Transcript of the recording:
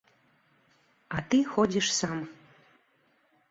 А ты ходзіш сам.